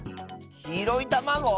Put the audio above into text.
きいろいたまご？